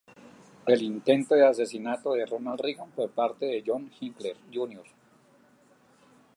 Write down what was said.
El intento de asesinato de Ronald Reagan por parte de John Hinckley Jr.